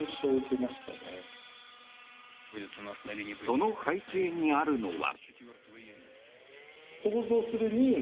その背景にあるのは。